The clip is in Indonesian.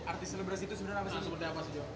artis selebrasi itu sebenarnya apa sih